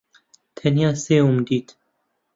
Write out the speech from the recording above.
تەنیا سێوم دیت.